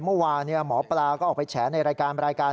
เมื่อวานี่หมอปราก็ออกไปแฉะในรายการ๑